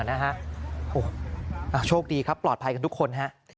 โอ้โหโชคดีครับปลอดภัยกันทุกคนฮะ